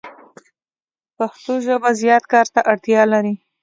پښتو ژبه زیات کار ته اړتیا لری